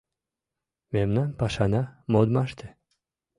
Мемнан пашана — модмаште